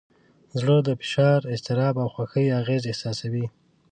زړه د فشار، اضطراب، او خوښۍ اغېز احساسوي.